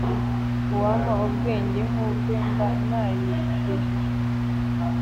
Uwampa ubwenge nk’ ubwe mba narigejeje kure